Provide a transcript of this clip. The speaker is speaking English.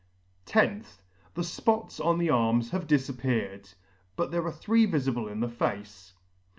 loth. The fpots on the arms have difappeared, but there are three vifible in the face.